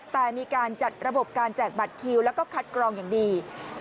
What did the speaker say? แต่มีการจัดระบบการแจกบัตรคิวแล้วก็คัดกรองอย่างดี